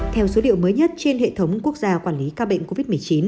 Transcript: theo số liệu mới nhất trên hệ thống quốc gia quản lý ca bệnh covid một mươi chín